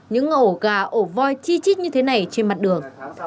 những ổ gà ổ voi chi chít như thế này trên mặt đường